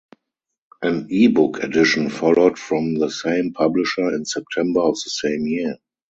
An ebook edition followed from the same publisher in September of the same year.